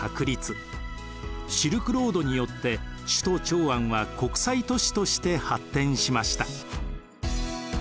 シルクロードによって首都長安は国際都市として発展しました。